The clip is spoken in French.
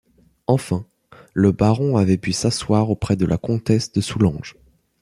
Enfin, le baron avait pu s’asseoir auprès de la comtesse de Soulanges.